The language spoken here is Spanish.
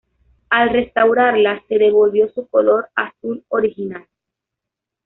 Al restaurarla se devolvió su color azul original.